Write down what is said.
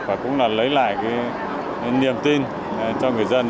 và cũng là lấy lại cái niềm tin cho người dân